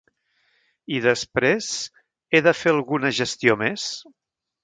I després, he de fer alguna gestió més?